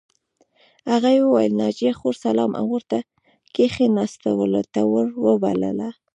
هغه وویل ناجیه خور سلام او ورته کښېناستلو ته ور وبلله